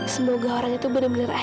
semoga orang itu bener bener ayah